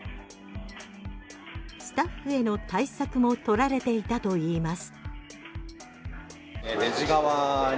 スタッフへの対策も取られていたといいます。